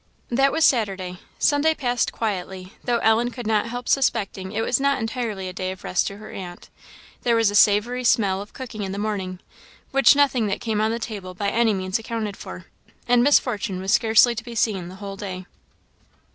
That was Saturday. Sunday passed quietly, though Ellen could not help suspecting it was not entirely a day of rest to her aunt; there was a savoury smell of cooking in the morning, which nothing that came on the table by any means accounted for; and Miss Fortune was scarcely to be seen the whole day.